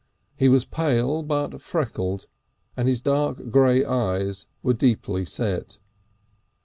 He was pale but freckled, and his dark grey eyes were deeply set.